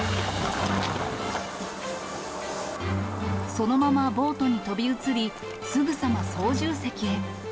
そのままボートに飛び移り、すぐさま操縦席へ。